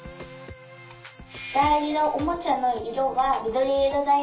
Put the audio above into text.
だいじなおもちゃのいろはみどりいろだよ。